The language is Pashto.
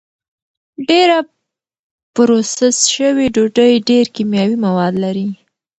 ډېره پروسس شوې ډوډۍ ډېر کیمیاوي مواد لري.